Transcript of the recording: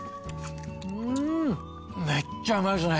めっちゃうまいっすね。